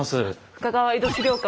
深川江戸資料館